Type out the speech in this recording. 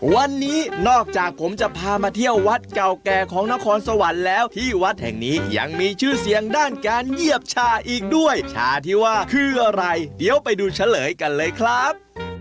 วันนี้นอกจากผมจะพามาเที่ยววัดเก่าแก่ของนครสวรรค์แล้วที่วัดแห่งนี้ยังมีชื่อเสียงด้านการเยียบชาอีกด้วยชาที่ว่าคืออะไรเดี๋ยวไปดูเฉลยกันเลยครับ